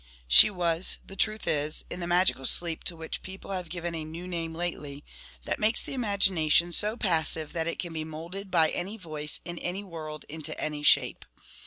' She was, the truth is, in the magical sleep, to w;hich people have given a new name lately, that makes the imagination so passive that it can be moulded by any voice in any world into any shape.